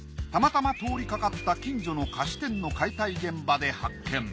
たまたま通りかかった近所の菓子店の解体現場で発見。